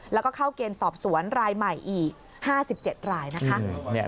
แล้วก็เข้าเกณฑ์สอบสวนรายใหม่อีก๕๗รายนะคะ